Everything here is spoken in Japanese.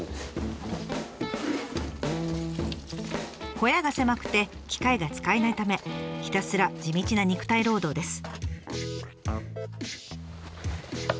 小屋が狭くて機械が使えないためひたすら地道な肉体労働です。